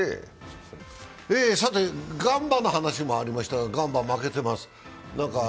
ガンバの話もありましたが、ガンバ、負けてます。